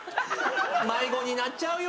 迷子になっちゃうよ。